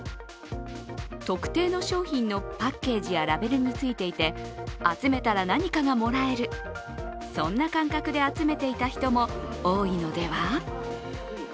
特定の商品のパッケージやラベルについていて集めたら何かがもらえる、そんな感覚で集めていた人も多いのでは。